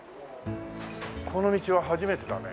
この道は初めてだね。